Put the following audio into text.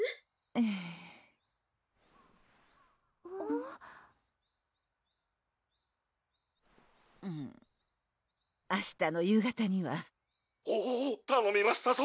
ええ明日の夕方には「おぉ！たのみましたぞ！」